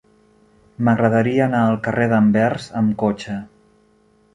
M'agradaria anar al carrer d'Anvers amb cotxe.